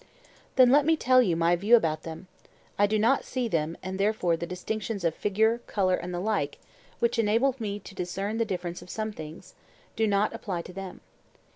Then let me tell you my view about them. I do not see them, and therefore the distinctions of figure, colour, and the like, which enable me to discern the differences of some things, do not apply to them.